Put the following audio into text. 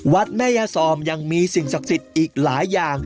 วัดแม่ยาซอมยังมีสิ่งศักดิ์สิทธิ์อีกหลายอย่าง